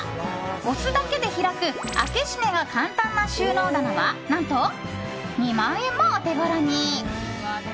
押すだけで開く開け閉めが簡単な収納棚は何と、２万円もお手ごろに。